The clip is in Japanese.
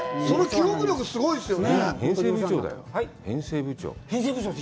この記憶力すごいですね。